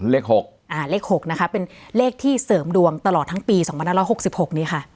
เลขหกอ่าเลขหกนะคะเป็นเลขที่เสริมดวงตลอดทั้งปีสองพันร้อยหกสิบหกนี้ค่ะ